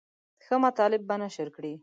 ښه مطالب به نشر کړي.